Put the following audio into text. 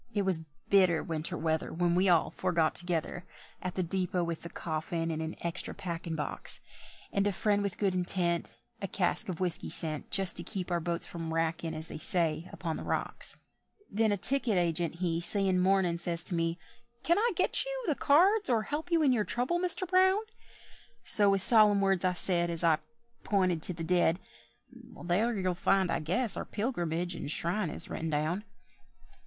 It was bitter winter weather When we all four got together At the depôt with the coffin in an extra packin' box; And a friend with good intent, A cask of whisky sent, Just to keep our boats from wrackin', as they say, upon the rocks. Then a ticket agent he Seein' mournin', says to me, "Can I get the cards, or help you in your trouble, Mister Brown?" So with solemn words I said, As I pinted to the dead, "There you'll find, I guess, our pilgrimage and shrine is written down."